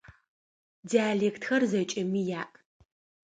Диалектхэр зэкӏэми яӏ.